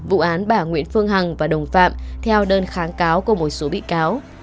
vụ án bà nguyễn phương hằng và đồng phạm theo đơn kháng cáo của một số bị cáo